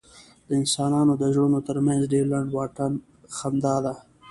د انسانانو د زړونو تر منځ ډېر لنډ واټن خندا ده.